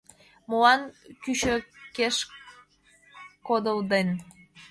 Молан кӱчыкеш кодылден?